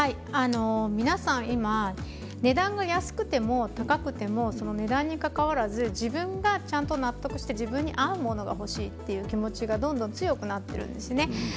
皆さん値段が高くても値段にかかわらず自分がちゃんと納得して自分に合うものが欲しいという気持ちがどんどん強くなっているんです。